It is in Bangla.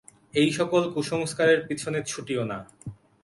এই-সকল কুসংস্কারের পিছনে ছুটিও না।